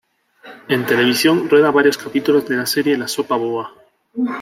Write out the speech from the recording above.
En televisión rueda varios capítulos de la serie "La sopa boba".